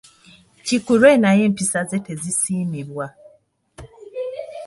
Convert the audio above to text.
Kikulwe naye empisa ze tezisiimibwa.